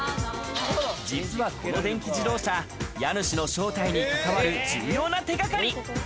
実はこの電気自動車、家主の正体に関わる重要な手掛かり。